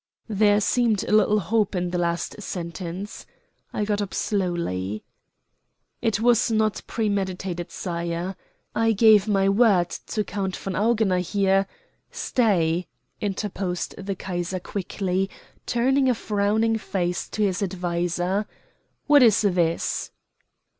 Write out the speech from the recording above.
There seemed a little hope in the last sentence. I got up slowly. "It was not premeditated, sire. I gave my word to Count von Augener here " "Stay," interposed the Kaiser quickly, turning a frowning face to his adviser. "What is this?"